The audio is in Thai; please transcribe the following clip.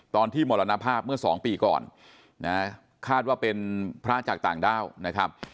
มรณภาพเมื่อสองปีก่อนนะคาดว่าเป็นพระจากต่างด้าวนะครับ